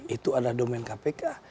itu adalah domen kpk